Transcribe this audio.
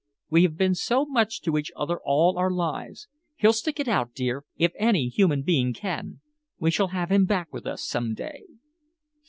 We have been so much to each other all our lives. He'll stick it out, dear, if any human being can. We shall have him back with us some day."